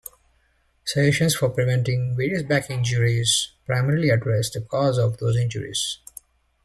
Suggestions for preventing various back injuries primarily address the causes of those injuries.